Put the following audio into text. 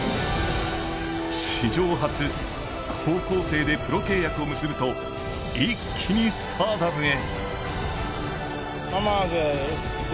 史上初、高校生でプロ契約を結ぶと一気にスターダムへ。